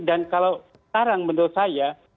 dan kalau sekarang menurut saya